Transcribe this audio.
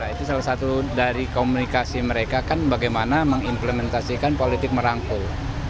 itu salah satu dari komunikasi mereka kan bagaimana mengimplementasikan politik merangkul